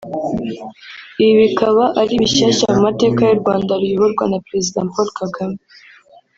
Ibi bikaba ari bishyashya mu mateka y’u Rwanda ruyoborwa na Président Paul Kagame